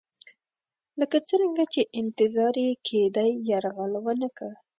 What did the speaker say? لکه څرنګه چې انتظار یې کېدی یرغل ونه کړ.